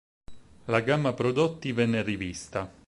La gamma prodotti venne rivista.